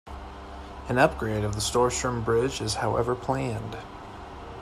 An upgrade of the Storstrom Bridge is however planned.